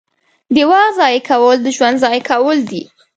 • د وخت ضایع کول د ژوند ضایع کول دي.